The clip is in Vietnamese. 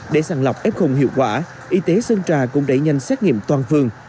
để sàn lọc f hiệu quả y tế sơn trà cũng đẩy nhanh xét nghiệm toàn vật